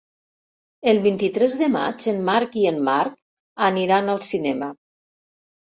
El vint-i-tres de maig en Marc i en Marc aniran al cinema.